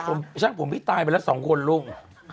เพราะช่างผมตายไปแล้ว๒คนลุง